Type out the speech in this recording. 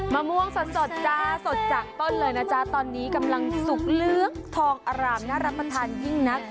มะม่วงสดจ้าสดจากต้นเลยนะจ๊ะตอนนี้กำลังสุกเลือกทองอร่ามน่ารับประทานยิ่งนัก